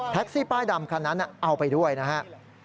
ซี่ป้ายดำคันนั้นเอาไปด้วยนะครับ